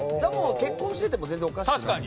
結婚してても全然おかしくない。